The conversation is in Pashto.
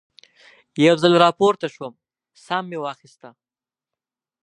یو ځل را پورته شوم، ساه مې واخیسته.